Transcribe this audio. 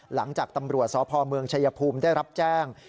หลังจากตำรวจสพเมืองชายภูมิได้รับแจ้ง